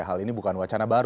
hal ini bukan wacana